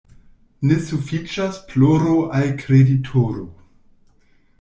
Ne sufiĉas ploro al kreditoro.